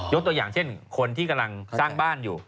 ตัวอย่างเช่นคนที่กำลังสร้างบ้านอยู่